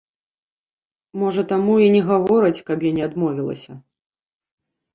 Можа, таму і не гавораць, каб я не адмовілася!